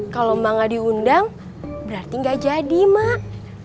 kalau emak gak diundang berarti gak jadi mak